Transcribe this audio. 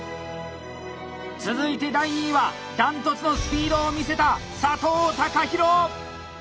続いて第２位はダントツのスピードを見せた佐藤貴弘！